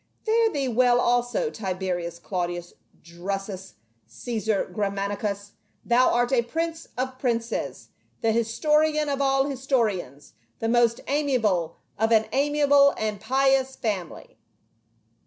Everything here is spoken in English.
" P'are thee well also, Tiberius Claudius Drusus Caesar Germanicus, thou art a prince of princes, the historian of all historians, the most amiable of an ami able and pious family."